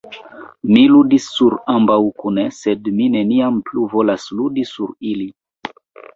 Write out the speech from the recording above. Mi ludis sur ambaŭ kune; sed mi neniam plu volas ludi sur ili.